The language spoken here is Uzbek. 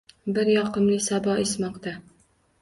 Bir yoqimli sabo esmoqda.